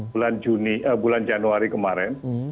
bulan januari kemarin